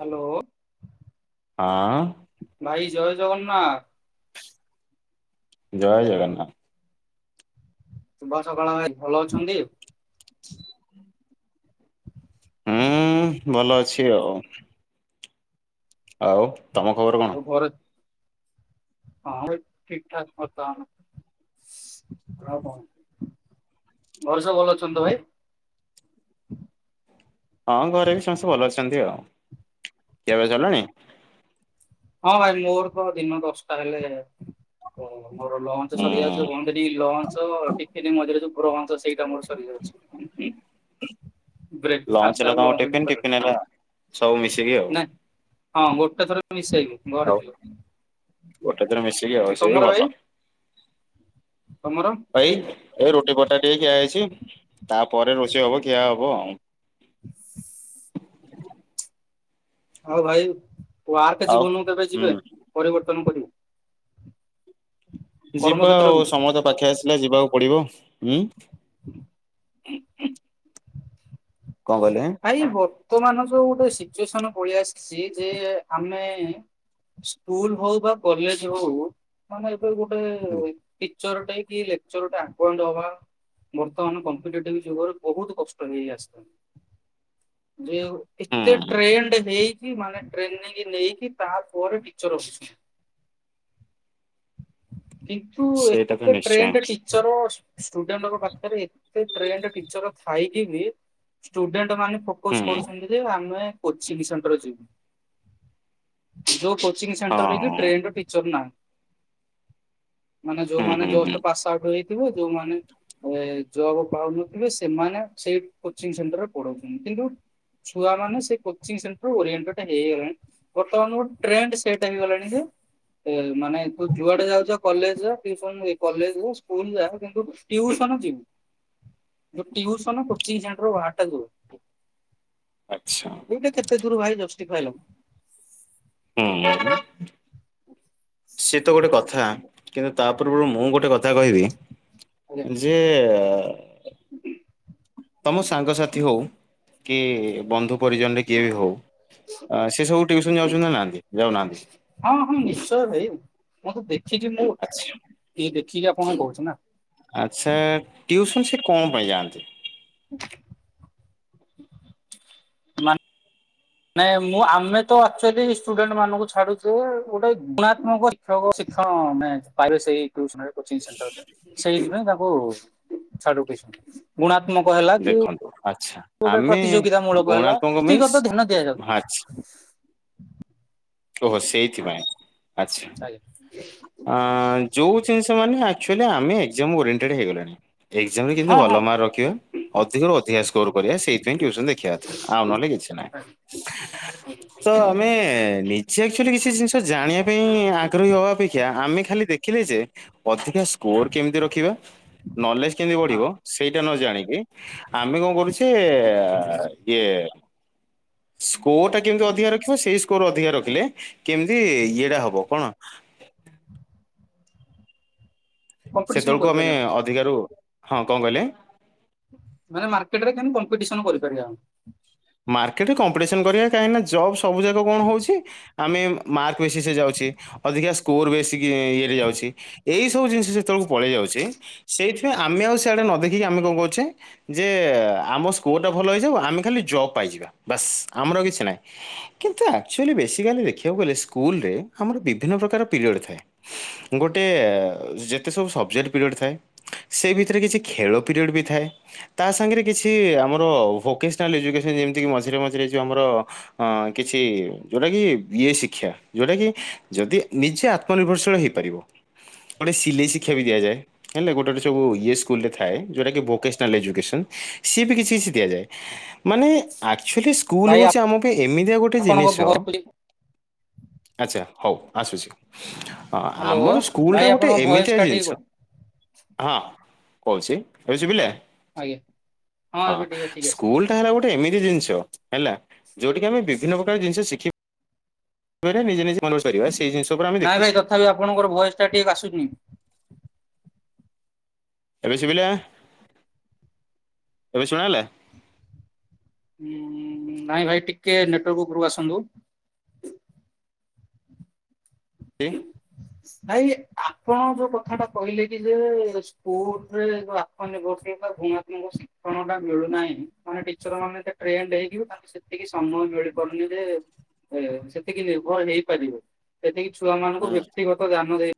Hello, ହଁ ଭାଇ ଜୟ ଜଗନ୍ନାଥ। ଜୟ ଜଗନ୍ନାଥ। ଶୁଭ ସକାଳ ଭାଇ ଭଲ ଅଛନ୍ତି? ହୁଁ ଭଲ ଅଛି ଆଉ। ଆଉ ତୋମ ଖବର କ ମୋର ହଁ ଠିକଠାକ୍ ବର୍ତ୍ତମାନ। ଆଉ କଣ? ଘରେ ସବୁ ଭଲ ଅଛନ୍ତି ତ ଭାଇ? ହଁ ଘରେ ବି ସମସ୍ତେ ଭଲ ଅଛନ୍ତି ଆଉ, ଖିଆ ପିଆ ସରିଲାଣି? ହଁ ଭାଇ ମୋର ତ ଦିନ ଦଶଟା ହେଲେ [inaudible] ମୋର ଲଞ୍ଚ ହୁଁ ସରିଯାଉଛୁ, କଣ ଯଦି ଲଞ୍ଚ ଟିକେ ଯେ ମଝିରେ ଯୋଉ ରଞ୍ଚ ସେଇଟା ମୋର ସରିଯାଉଛି। [inaudible] ବ୍ରେକ୍ ଲଞ୍ଚ ଫାଷ୍ଟ ହେଲା ଆଉ ତମ ଲଞ୍ଚ ଟିଫିନ ଭିତରେ ଟିଫିନ ହେଲା ସବୁ ମିଶିକି ଆଉ। ନା ହଁ ଗୋଟେ ଥର ମିଶେଇବି ଘରେ ଆଉ ଥିଲୁ। ଗୋଟେ ଥର ମିଶିକି ଆଉ ଯେ ସେ ବି ତୋମର ଭଲ। ଭାଇ? ତୋମର? ପାଇ ଏ ରୁଟି ପରଟା ଟିକେ ଖିଆ ହେଇଛି, ତାପରେ ରୋଷେଇ ହବ ଖିଆ ହବ ଆଉ। ଆଉ ଭାଇ ୱାର୍କ ଆଉ ଜୀବନକୁ କେବେ ହୁଁ ଯିବେ ପରିବର୍ତ୍ତନ କରି? ଯିବା ଆଉ କର୍ମକ୍ଷେତ୍ରକୁ? ସମୟ ତ ପାଖେ ଆସିଲେ ଯିବାକୁ ପଡିବ ହୁଁ,। ହଁ ହଁ କଣ କହିଲେ? ଭାଇ ବର୍ତ୍ତମାନ ଯୋଉ ଗୋଟେ ସିଚୁଏସନ୍ ପଳି ଆସିଛି ଯେ ଆମେ ସ୍କୁଲ୍ ହଉ ବା କଲେଜ୍ ହଉ ମାନେ ଏବେ ଗୋଟେ ହୁଁ ଟିଚର୍ ଟେ କି ଲେକଚର୍ ଟେ ଆକଣ୍ଡ ହବା ବର୍ତ୍ତମାନ କମ୍ପିଟେଟିଭ୍ ଯୁଗରେ ବହୁତ କଷ୍ଟ ହେଇ ଆସିଲାଣି। ଯେ ଏତେ ଟ୍ରେଣ୍ଡ ହେଇ ଚି ମାନେ ଟ୍ରେନିଂ ନେଇକି ତା ପରେ ଟିଚର୍ ରହୁଛନ୍ତି। କିନ୍ତୁ ସେଇଟା ତ ଏତେ ନିଶ୍ଚୟ ଟ୍ରେଣ୍ଡ୍ ଟି ଚରଳସ୍ ଷ୍ଟୁଡେଣ୍ଡଗ ପାଖରେ ଏତେ ଟ୍ରେଣ୍ଡ୍ ଟିଚର ଥାଇକି ବି ଷ୍ଟୁଡେଣ୍ଡ ମାନେ ହୁଁ ଫୋକୋସ୍ କରୁଛନ୍ତି ଯେ ଆମେ କୋଚିଙ୍ଗି ସେଣ୍ଟର ଯିବୁ ଯଉ କୋଚିଙ୍ଗ୍ ହଁ ସେଣ୍ଟର୍‌ରେ ବି ଟ୍ରେଣ୍ଡ୍‌ର ଟିଚର୍ ନାଁ ମାନେ ହୁଁ ଯଉମାନେ ହୁଁ ହୁଁ ଜଷ୍ଟ ପାସ୍ଆଉଟ୍ ହେଇ ଥିବୁ ଯଉମାନେ ଏ ଜବ ପାଉନଥିବେ ସେମାନେ ସେଇ କୋ ଚିଙ୍ଗ୍ ସେଣ୍ଟରରେ ପଢଉଛନ୍ତି କିନ୍ତୁ ଛୁଆମାନେ ସେ କୋଚିଙ୍ଗ୍ ସେଣ୍ଟର୍‌ ଓରିଏଣ୍ଟ ଟା ହେଇହେଇ ଗଲାଣି ବର୍ତ୍ତମାନ ଗୋଟେ ଟ୍ରେଣ୍ଡ୍ ସେଟ୍ ହେଇଗଲାଣି ଯେ ଏ ମାନେ ତୁ ଯୁଆଡେ ଯାଉଜ କଲେଜେ ଟିଉସନ୍‌ ନୁଏ କଲେଜ୍‌ରୁ ସ୍କୁଲ୍ ଯାଏ କିନ୍ତୁ ଟିଉସନ ଯିବୁ ଯଉ ଟିଉସନ କୋଚିଙ୍ଗି ସେଣ୍ଟ୍ର ହାଟାଗୁ ଆଚ୍ଛାଁ କେତେ ଦୂରୁ ଭାଇ ଯଷ୍ଟି ଫାଇ ନବୁ ହୁଁ ସେତ ଗୋଟେ କଥା କେବେ ତା ପୂର୍ବରୁ ମୁଁ ଗୋଟେ କଥା କହିବି ଆଜ୍ଞା ଝିଅ ତମ ସାଙ୍ଗ ସାଥି ହଉ କିଏ ବନ୍ଧୁ ପରିଜନ୍‌ରେ କିଏ ବି ହଉ ସେ ସବୁ ଟିଉସନ୍ ଯାଉଚନ୍ତି ନା ନାହାଁନ୍ତି ଯାଉନାହାଁନ୍ତି ହଁ ହଁ ନିଶ୍ଚୟ ଭାଇ ମୁଁ ତ ଦେଖିକି ମୁଁ ଆଚ୍ଛା ଟିକେ ଦେଖିକି ଆପଣଙ୍କୁ କହୁଛି ନା ଆଚ୍ଛା ଟିଉସନ୍ ସେ କଣ ପାଇଁ ଯାନ୍ତି [unintelligible] ନା। ନାଇଁ ମୁଁ ଆମେ ତ ଆକ୍ଚୁଆଲୀ ଷ୍ଟୁଡେଣ୍ଟ ମାନଙ୍କୁ ଛାଡ଼ୁଚୁ ଗୋଟେ ଗୁଣାତ୍ମକ ଶିକ୍ଷକ ଶିକ୍ଷଣ ନେ ପାଇବେ ସେଇ ଟିଉସନ୍ ରେ କୋଚିଂ ସେଣ୍ଟର୍ ରେ ସେଇଥିପାଇଁ ତାକୁ ଛାଡ଼ୁ ଟିଉସନ୍। ଗୁଣାତ୍ମକ ହେଲା କି ଦେଖନ୍ତୁ ଆଚ୍ଛା ଗୋଟେ ଆମେ ପ୍ରତିଯୋଗିତା ମୂଳକ ହେଲା ଗୁଣାତ୍ମକ ମିନ୍ସ ବ୍ୟକ୍ତିଗତ ଧ୍ୟାନ ଦିଆଯାଉ ହଁ ଆଛ ଓହୋ ସେଇଥିପାଇଁ ଆଚ୍ଛ ଆଜ୍ଞା। ଅଁ ଯୋଉ ଜିନିଷ ମାନେ ଆକ୍ଚୂଆଲୀ ଆମେ ଏକ୍ଜାମ୍ ଓରିଏଣ୍ଟେଡ୍ ହେଇଗଲେଣି। ଏକ୍ଜାମି ରେ କିନ୍ତୁ ହଁ ଭଲ ହଁ ମାର୍କ ରଖିବ ଅଧିକରୁ ଅଧିକା ସ୍କୋର୍ କରିବା ସେଇଥିପାଇଁ ଟିଉସନ୍ ଦେଖିବା କଥା ଆଉ ନହେଲେ କିଛି ନାହିଁ। ତ ଆମେ ନି ସିଏ ଆକ୍ଚୁଆଲି କିଛି ଜିନିଷ ଜାଣିବା ପାଇଁ ଆଗ୍ରହୀ ହବା ଅପେକ୍ଷା ଆମେ ଖାଲି ଦେଖିଲେ ଯେ ଅଧିକା ସ ସ୍କୋର୍ କେମିତି ରଖିବା ନଲେଜ କେମିତି ହଁ ବଢ଼ିବ ସେଇଟା ନ ଜାଣିକି ଆମେ କଣ କରୁଛେ ଇଏ ସ୍କୋର୍ ଟା କେମିତି ଅଧିକା ରଖିବ ସେଇ ସ୍କୋର୍ ଅଧିକା ରଖିଲେ କେମିତି ଇଏଟା ହବ କଣ? କମ୍ପିଟିସନ ସେତେବେଳକୁ ଆମେ କରିପାରିବା ଅଧିକାରୁ ହଁ କଣ କହିଲେ? ମାନେ ମାର୍କେଟ ରେ [unintelligible] କମ୍ପିଟିସନ କରିପାରିବା ଆମେ। ମାର୍କେଟରେ କମ୍ପିଟିସନ କରିବା କାହିଁକିନା ଜବ୍ ସବୁ ଯାକ କଣ ହଉଛି। ଆମେ ମାର୍କ ବେଶୀ ସେ ଯାଉଛି ଅଧିକା ସ୍କୋର ବେଶୀକ୍ ଇଏରେ ଯାଉଛି। ଏଇ ସବୁ ଜିନିଷ ଯେତେବେଳକୁ ପଳେଇ ଯାଉଛି ସେଇଥିପାଇଁ ଆମେ ଆଉ ସେଆଡ଼େ ନ ଦେଖିକି ଆମେ କଣ କହୁଛେ ଯେ ଆମ ସ୍କୋର ଟା ଭଲ ହେଇଯାଉ ଆମେ ଖାଲି ଜଵ୍ ପାଇଯିବା ବାସ୍ ଆମର ଆଉ କିଛି ନାହିଁ। କିନ୍ତୁ ଆକଚୁଲି ବେଶିକାଲି ଦେଖିବାକୁ ଗଲେ ସ୍କୁଲରେ ଆମର ବିଭିନ୍ନ ପ୍ରକାର ପିରିୟଡ଼ ଥାଏ। ଗୋଟେ ଯେତେ ସବୁ ସବଜେକ୍ଟ ପିରିୟଡ଼ ଥାଏ ସେ ଭିତରେ କିଛି ଖେଳ ପିରିୟଡ଼ ବି ଥାଏ। ତା ସାଙ୍ଗରେ କିଛି ଆମର ଭୋକେଶ୍ନାଲ ଏଯୁକେସନ ଯେମିତିକି ମଝିରେ ମଝିରେ ଯଉ ଆମର ଅ କିଛି ଯୋଉଟା କି ଇଏ ଶିକ୍ଷା ଯୋଉଟା କି ଯଦି ନିଜେ ଆତ୍ ଆତ୍ମନିର୍ଭରଶୀଳ ହେଇପାରିବ ଗୋଟେ ସିଲେଇ ଶିକ୍ଷା ବି ଦିଆଯାଏ। ହେଲା ଗୋଟେ ଗୋଟେ ସବୁ ଇଏ ସ୍କୁଲ ରେ ଥାଏ ଯୋଉଟାକି ଭୋକେଶ୍ନାଲ୍ ଏଜୁକେସନ ସିଏ ବି କିଛି କିଛି ଦିଆଯାଏ। ମାନେ ଆକ୍ଚୁଆଲି ସ୍କୁଲ ଭାଇ ହଉଛି ଆମକୁ ଏମିତିଆ ଗୋଟେ ଆପଣଙ୍କ ଜିନିଷ ଭଏସ ଆଚଛା ହଉ ଆସୁଛି ହ୍ୟାଲୋ ଆମର ସ୍କୁଲ ଭାଇ ଟା ଗୋଟେ ଆପଣଙ୍କ ଭଏସ ଏମିତିଆ ଟା ଟିକେ ଜିନିଷ ହଁ କହୁଛି ହ ହଉ ଚି ପିଲା ଆଜ୍ଞା ହଁ ଏବେ ଟିକେ ଠିକ ଆସିଲା। ହେଲା ଗୋଟେ ଏମିତି ଜିନିଷ ହେଲା ଯୋଉିଠିକି ଆମେ ଆମେ ବିଭିନ୍ନ ପ୍ରକାର ଜିନିଷ ଶିଖିବା। [inaudible] ନିଜେ ନିଜ ମନ ସେଇ ଜିନିଷ। ଉପରେ ଆମେ ନାଇଁ ଭାଇ ଦେଖୁଛେ ତଥାପି ଆପଣଙ୍କର ଭୟସ ଟା ଠିକ ଆସୁନି। ଏବେ ଶୁିବିଲା ଏବେ ସୁଣାଗଲା। ହୁଁ ନାଇଁ ଭାଇ ଟିକେ ନେଟୱାର୍କ ଉପରକୁ ଆସନ୍ତୁ। କ [inaudible] ଭାଇ ଆପଣ ଯୋଉ କଥା ଟା କହିଲେ କି ଯେ ସ୍କୁଲରେ ଯୋଉ [inaudible] କଣଟା ମିଳୁନାହିଁ ମାନେ ଟିଚର ମାନେ ଟ୍ରେଣ୍ଡ ହେଇକି ତାଙ୍କୁ ସେତିକି ସମୟ ମିଳିପାରୁନି ଯେ ସେତିକି ନିର୍ଭର ହେଇପାରିବ ସେତିକି ଛୁଆ ମାନଙ୍କୁ ହୁଁ ବ୍ୟକ୍ତିଗତ ଧ୍ୟାନ ଦେଇ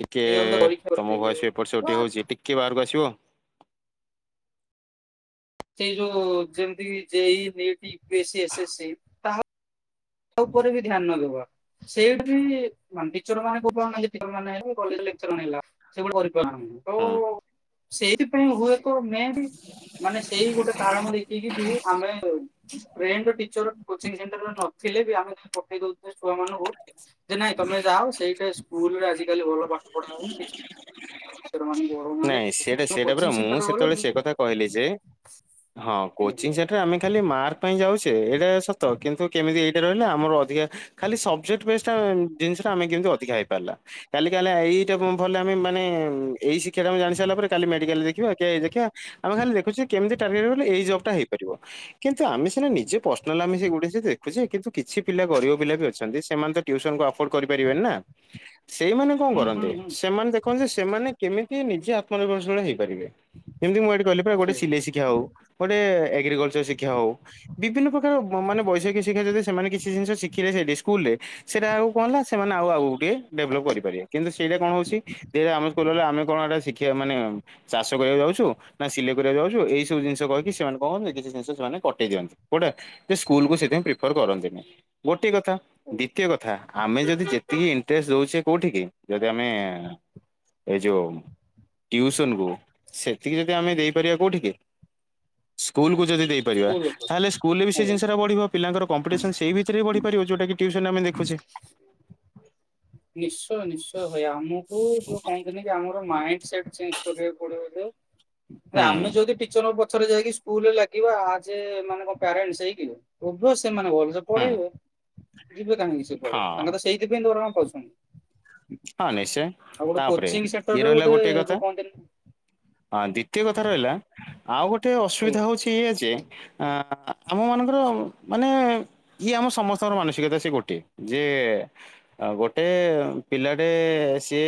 ଟିକିଏ ନିୟମିତ ପରୀକ୍ଷା ତୁମ କରିପାରିବେ। ଭୟସ ବି ଏପଟ ସେପଟ ହଉଚି ଟିକିଏ ବାହାରକୁ ଆସିବ। ସେଇ ଯୋଉ ଯେମିତି ଜେଇ ନିକଟ୍ ୟୁପିଏସି ଏସ୍ଏସ୍ ସି। ତା ଉପରେ ବି ଧ୍ୟାନ ନଦବା। [unintelligible] [inaudible] ସେଗୋଟେ କରିପାର ନାଁ ତ ହୁଁ ସେଇଥିପାଇଁ ହୁଏ ତ ମେ ବି ମାନେ ସେଇ ଗୋଟେ କାରଣ ଦେଖିକି ବି ଆମେ ହଉ। ଟ୍ରେଣ୍ଡ ର ଟିଚର କୋଚିଙ୍ଗ ସେଣ୍ଟର ନ ଥିଲେ ବି ଆମେ ଯ ପଠେଇ ଦଉଥିଲେ ଛୁଆ ମାନଙ୍କୁ ଯେ ନାଇଁ ତମେ ଯାଅ ସେଇଟା ସ୍କୁଲରେ ଆଜିକାଲି ଭଲ ପାଠ ପଢା ହଉନି ଟିଚର ମାନେ ନାଇଁ ସେଟା ପଢଉନାହାନ୍ତି ସେଇଟା ପରା କୋଚିଂ ମୁଁ ସେଣ୍ଟର ଗଲେ ସେତେବେଳେ ହୁଁ ସେ କଥା କହିଲି ଯେ ହଁ କୋଚିଂ ସେ ରେ ଆମେ ଖାଲି ମାର୍କ ପାଇଁ ଯାଉଛେ ଏଇଟା ସତ କିନ୍ତୁ କେମିତି ଏଇଟା ରହିଲେ ଆମର ଅଧିକା ଖାଲି ସବଜେକ୍ଟ ବେସ ଜିନିଷ ଆମେ କେମିତି ଅଧିକା ହେଇପାରିଲା କାଲି କା ଏଇଟା ଭଲେ ଆମେ ମାନେ ଏଇ ଜାଣି ସାରିଲା ପରେ କାଲି ମେଡ଼ିକାଲ ଯା ଦେଖିବା ଦେଖିବା ଆମେ ଖାଲି ଦେଖୁଛେ କେମତି ଟାର୍ଗେଟ କଲେ ଏଇ ଜବଟା ହେଇପାରିବ। କିନ୍ତୁ ଆମେ ସିନା ନିଜେ ପର୍ସନାଲ ଆମେ ସେ ଗୁଟେ ଦେଖୁଛେ କିନ୍ତୁ କିଛି ପିଲା ଗରିବ ପିଲା ବି ଅଛନ୍ତି ସେମାନେ ତ ଟ୍ୟୁସନକୁ ଆଫୋର୍ଡ କରିପାରିବେନି ନା। ହୁଁ। ସେଇମାନେ କଣ କରନ୍ତି ହୁଁ ସେମାନେ ଦେଖନ୍ତି ସେମାନେ କେମିତି ନିଜେ ଆତ୍ମନିର୍ଭରଶୀଳ ହେଇପାରିବେ। ଯେମିତି ମୁଁ ଏଇଠି କହିଲି ପା ଗୋଟେ ସିଲେଇ ଶିକ୍ଷା ହଉ ଗୋଟେ ଏଗ୍ରିକଲଚର ଶିକ୍ଷା ହଉ। ବିଭିନ୍ନ ପ୍ରକାର ମାନେ ବୈଷୟିକ ଶିକ୍ଷା ଯଦି ସେମାନେ କିଛି ଜିନିଷ ଶିଖିଲେ ସେଇଠି ସ୍କୁଲ ରେ। ସେଇଟା ଆଉ କଣ ନା ସେମାନେ ଆଉ ଆଉ ଗୋଟିଏ ଡେଭଲପ କରିପାରିବେ କିନ୍ତୁ ସେଇଟା କଣ ହଉଛି ଆମ ସ୍କୁଲରେ ଆମେ କଣ ଏଇଟା ଶିଖିବା ମାନେ ଚାଷ କରିବାକୁ ଯାଉଛୁ। ନା ସିଲେଇ କରିବାକୁ ଯାଉଛୁ ଏଇ ସବୁ ଜିନିଷ କହିକି ସେମାନେ କହନ୍ତି କିଛି ଜିନିଷ ସେମାନେ କଟେଇ ଦିଅନ୍ତି କୋଉଟା ସେ ସ୍କୁଲ କୁ ସେଥିପାଇଁ ପ୍ରିଫର କରନ୍ତିନି ଗୋଟିଏ କଥା ଦ୍ଵିତୀୟ କଥା ଆମେ ଯଦି ଯେତିକି ଇଣ୍ଟରେଷ୍ଟ ଦଉଛେ କୋଉଠିକି ଯଦି ଆମେ ଏଇ ଯୋଉ ଟିଉସନ କୁ ସେତିକି ଯଦି ଆମେ ଦେଇପାରିବା କୋଉଠିକି ସ୍କୁଲକୁ ଯଦି ଦେଇ ପରିବା। ସ୍କୁଲ ଉପରେ ତାହେଲେ ସ୍କୁଲରେ ବି ସେ ଆଜ୍ଞା। ଜିନିଷଟା ବଢ଼ିବ ପିଲାଙ୍କର କମ୍ପିଟିସନ୍ ସେଇ ଭିତରେ ବି ବଢ଼ି ପାରିବ ଯଉଟା କି ଟିଉସନରେ ଆମେ ଦେଖୁଛେ। ହଁ। ନିଶ୍ଚୟ ନିଶ୍ଚୟ ଭାଇ ଆମକୁ କୁହନ୍ତିନି କି ଆମର ମାଇଣ୍ଡ ସେଟ ହୁଁ ଆମେ ଯଦି ଟିଚରଙ୍କ ପଛରେ ଯାଇକି ସ୍କୁଲରେ ଲାଗିବା ଲାଗିବା ଆଜ ଏ ମାନେ କଣ ପ୍ୟାରେଣ୍ଟସ ହେଇକି ଅଭିଅସ ସେମାନେ ହୁଁ ପଢ଼େଇବେ ଯିବେ କାହିଁକି ସେ କୁଆଡ଼େ ତାଙ୍କେ ହଁ ତ ସେଇଥିପାଇଁ ଦରମା ପାଉଛନ୍ତି। ହଁ ନିଶ୍ଚୟ ଆଉ ଗୋଟେ ତାପରେ କୋଚିଂ ଇଏ ସେଣ୍ଟରରେ ରହିଲା ଗୋଟେ କଥା। ଯୋଉ କହନ୍ତିନି ହଁ ଦ୍ଵିତୀୟ କଥା ରହିଲା ଆଉ ଗୋଟେ ଅସୁବିଧା ଆଜ୍ଞା ହଉଛି ଏୟା ଯେ ଆ ଆମ ମାନଙ୍କର ମାନେ ଇଏ ଆମ ସମସ୍ତଙ୍କର ମାନସିକତା ସେ ଗୋଟେ ଯେ ଅ ଗୋଟେ ପିଲାଟେ ସିଏ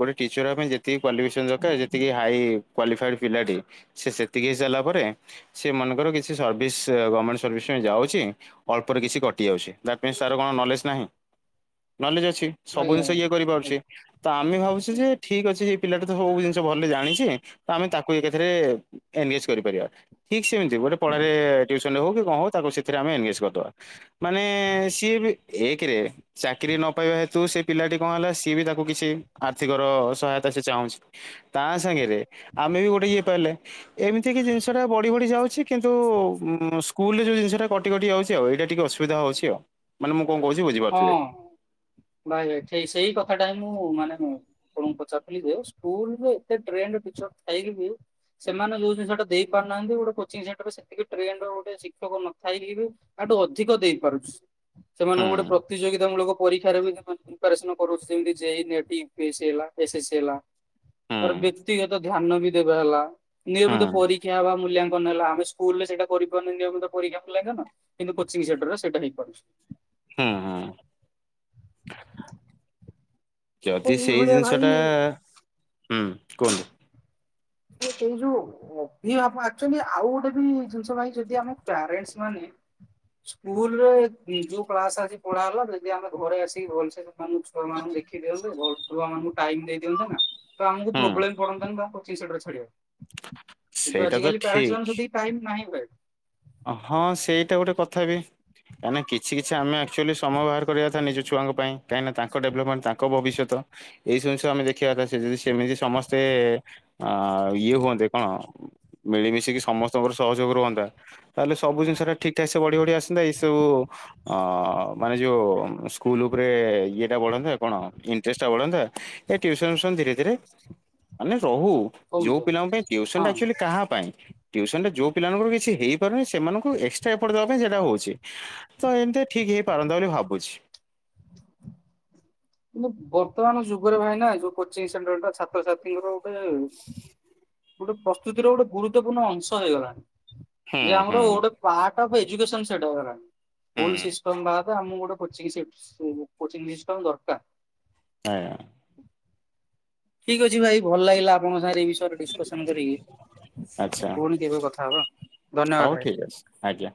ଗୋଟେ ଟିଚର ହେବା ପାଇଁ ଯେତିକି କ୍ୱାଲିଫିକେସନ ଦରକାରେ ଯେତିକି ହାଇ କ୍ୱାଲିଫାଇଡ଼ ପିଲାଟି ସେ ସେତିକି ହେଇସାରିଲା ପରେ ସେ ମନେକର କିଛି ସର୍ଭିସ ଏ ଗମେଣ୍ଟ ସର୍ଭିସ ପାଇଁ ଯାଉଛି। ଅଳ୍ପରେ କିଛି କଟିଯାଉଛି ଦ୍ୟାଟ୍ ମିନ୍ସ ତାର କଣ ନଲେଜ୍ ନାହିଁ ନଲେଜ ଅଛି। ସବୁ ଆଜ୍ଞା। ଜିନିଷ ଇଏ କରିପାରୁଛି। ତ ଆମେ ଭାବୁଛୁ ଯେ ଠିକ୍ ଅଛି ଏଇ ପିଲାଟା ତ ସବୁ ଜିନିଷ ଭଲରେ ଜାଣିଛି ତ ଆମେ ତାକୁ ଏକାଥରେ ଏନଗେଜ୍ କରିପାରିବା। ଠିକ୍ ସେମିତି ଗୋଟେ ପଢ଼ାରେ ଟ୍ୟୁଉସନରେ ହଉ କି କଣ ହଉ ତାକୁ ସେଥିରେ ଆମେ ଏନଗେଜ୍ କରିଦବା। ମାନେ ସିଏ ବି ଏକରେ ଚାକିରିୀ ନ ପାଇବା ହେତୁ ସେ ପିଲାଟି କଣ ହେଲା ସିଏ ବି ତାକୁ କିଛି ଆର୍ଥିକର ସହାୟତା ସେ ଚାହୁଁଛି। ତା ସାଙ୍ଗେରେ ଆମେ ବି ଗୋଟେ ଇଏ ପାଇଲେ। ଏମିତି କି ଜିନିଷଟା ବଢ଼ି ବଢ଼ି ଯାଉଛି କିନ୍ତୁ ଉଁ ସ୍କୁଲରେ ଯୋଉ ଜିନିଷଟା କଟି କଟି ଯାଉଛି ଆଉ ଏଇଟା ଟିକେ ଅସୁ ଅସୁବିଧା ହଉଛି ଆଉ ମାନେ ମୁଁ କଣ କହୁଛି ବୁଝିପାରୁଥିବେ। ହଁ। ଭାଇ ଭାଇ ଠିକ୍ ସେଇ କଥାଟା ହିଁ ମୁଁ ମାନେ ମୁଁ ଆପଣଙ୍କୁ ପଚରୁଥିଲି ଯେ ସ୍କୁଲ୍ ରେ ଏତେ ଟ୍ରେଣ୍ଡ ଟିଚର ଥାଇ କି ବି ସେମାନେ ଯୋଉ ଜିନିଷ ଟା ଦେଇ ପାରୁ ନାହାଁନ୍ତି ଗୋଟେ କୋଚିଂ ସେଣ୍ଟର ସେତିକି ଟ୍ରେଣ୍ଡର ଗୋଟେ ଶିକ୍ଷକ ନଥାଇକି ବି ଆଠୁ ଅଧିକ ଦେଇପାରୁଛି ହୁଁ। ସେମାନଙ୍କୁ ଗୋଟେ ପ୍ରତିଯୋଗିତା ମୂଳକ ପରୀକ୍ଷାରେ ବି ସେମାନେ ପ୍ରିପାରେସନ କରାଉଛି ଯେମିତି ଜେ ଇ ନେଟି, ୟୁ ପି ଏ ସି ଏସେ ସି ହେଲା। ତାପରେ ହୁଁ ବ୍ୟକ୍ତିଗତ ଧ୍ୟାନ ବି ଦେବା ହେଲା ହୁଁ ନିୟମିତ ପରୀକ୍ଷା ହେବା ମୂଲ୍ୟା ମୂଲ୍ୟାୟନ ହେଲା ଆମେ ସ୍କୁଲରେ ସେଇଟା କରିପାରୁନେ ନିୟମିତ ପରୀକ୍ଷା ମୂଲ୍ୟାୟନ କିନ୍ତୁ କୋଚିଂ ସେଣ୍ଟରରେ ସେଇଟା ହେଇପାରୁଛି। ହୁଁ, ହୁଁ। ତ ଯଦି ସେଇ ଏଇଭଳିଆ ଜିନିଷ ଟା ଭାଇ ହୁଁ କୁହନ୍ତୁ? ଏ କେ ଯୁ ଆଉ କଣ। ଅଭିବାବଆସିଛନ୍ତି। ଆଉ ଗୋଟେ ବି ଜିନିଷ ଭାଇ ଯଦି ଆମେ ପ୍ୟାରେଣ୍ଟସ ମାନେ- ସ୍କୁଲ ରେ ଯୋଉ କ୍ଳାସ ଆଜି ପଢା ହେଲା ଯଦି ଆମେ ଘରେ ଆସିକି ଭଲସେ ଆମ ଛୁଆନଙ୍କୁ ଦେଖି ଦିଅନ୍ତେ ଭଲ ଛୁଆ ମାନଙ୍କୁ ଟାଇମ୍ ଦେଇ ଦିଅନ୍ତେ ନା ତ ଆମକୁ ହୁଁ ପ୍ରୋବ୍ଲେମ ପଡନ୍ତାନି ତାଙ୍କ ଟିସଡରେ ଛାଡିବା କିନ୍ତୁ ସେଇଟା ତ ଆଜାକାଲି ପ୍ୟରେଣ୍ଟସ ମାନଙ୍କୁ ଠିକ ସେତିକି ଟାଇମ୍ ନାହିଁ ୱେ। ହଁ ସେଇଟା ଗୋଟେ କଥା ବି। ଆମେ କିଛି କିଛି ଆମେ ଏକ୍ଟୁଆଲି ସମୟ ବାହାର କରିବାକଥା ନିଜ ଛୁଆଙ୍କ ପାଇଁ କାହିଁକିନା ତାଙ୍କ ଡେଭଲବମେଣ୍ଟ ତାଙ୍କ ଭବିଷ୍ୟତ। ଏଇ ସବୁ ଜିନିଷ ଆମେ ଦେଖିବା କଥା ସେ ଯଦି ସେମିତି ସମସ୍ତେ ଅ ଇଏ ହୁଅନ୍ତେ କଣ? ମିଳିମିଶିକି ସମସ୍ତଙ୍କର ସହଯୋଗ ରୁହନ୍ତା ତାହେଲେ ସବୁଯିନିଷଟା ଠିକ୍ ଠାକ୍ ସେ ବଢି ବଢି ଆସନ୍ତା। ଏଇସବୁ ଅ ମାନେ ଯୋଉ ସ୍କୁଲ୍ ଉପରେ ଇଏଟା ବଢନ୍ତା କଣ ଇଣ୍ଟରେଷ୍ଟଟା ବଢନ୍ତା। ଏ ଟ୍ୟୁସନ ଫିଉସନ ଧୀରେ ଧୀରେ ମାନେ ରହୁ। କମି ଯୋଉ ଯାଉନି ପିଲାଙ୍କ ପାଇଁ ଟ୍ୟୁସନ ଟା ହଁ। ଆକ୍ଚୁଆଲି କାହା ପାଇଁ ଟ୍ୟୁସନ ଟା ଯୋଉ ପିଲାମାନଙ୍କର କିଛି ହେଇ ହେଇପାରୁନି ସେମାନଙ୍କୁ ଏକ୍ସଟ୍ରା ଏପୋର୍ଟ ଦେବା ପାଇଁ ସେଇଟା ହଉଛି ତ ଏମିତି ଠିକ୍ ହେଇପାରନ୍ତା ବୋଲି ଭାବୁଛି। କିନ୍ତୁ ବର୍ତମାନ ଯୁଗରେ ଭାଇନା ଯୋଉ କୋଚିଂ ସେଣ୍ଟର ଟା ଛାତ୍ରଛାତ୍ରୀଙ୍କର ଗୋଟେ ଗୋଟେ ପ୍ରସ୍ତୁତି ର ଗୋଟେ ଗୁରୁତ୍ୱପୂର୍ଣ୍ଣ ଅଂଶ ହେଇଗଲାଣି। ହୁଁ ଯେ ହୁଁ ଆମର ଓଟେ ପାର୍ଟ ଅଫ୍ ଏଜୁକେସନ ସେଟ ହେଲାଣି। ସ୍କୁଲ ହୁଁ। ସିଷ୍ଟମ ବାଦେ ଆମକୁ ଗୋଟେ କୋଚିଂ ସିପ୍ ସି କୋଚିଂ ସିଷ୍ଟମ ଦରକାର୍। ଆଜ୍ଞ। [inaudible] ଠିକ୍ ଅଛି ଭାଇ ଭଲ ଲାଗିଲା ଆପ ଆପଣଙ୍କ ସାଙ୍ଗରେ ଏ ବିଷୟରେ ଡିସ୍କସନ କରିକି ଆଚ୍ଛା ପୁଣି କେବେ କଥା ହବା ହଉ ଧନ୍ୟବାଦ ଭାଇ। ଠିକ୍ ଅଛି ଆଜ୍ଞା।